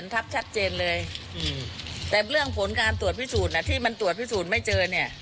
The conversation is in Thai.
แต่เรื่องผลการตรวจพิสูจน์ที่มันตรวจพิสูจน์ไม่เจอ